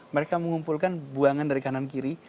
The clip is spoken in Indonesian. mereka mengumpulkan buangan dari kanan kiri